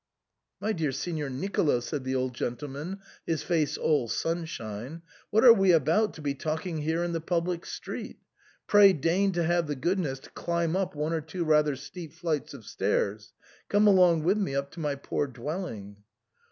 " My dear Signor Nicolo," said the old gentleman, his face all sunshine, "what are we about to. be talking here in the public street ? Pray deign to have the good ness to climb up one or two rather steep flights of stairs. Come along with me up to my poor dwelling."